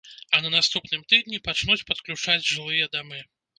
А на наступным тыдні пачнуць падключаць жылыя дамы.